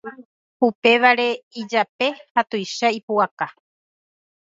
upévare ipaje ha tuicha ipu'aka.